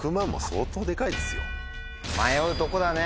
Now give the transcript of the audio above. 迷うとこだね。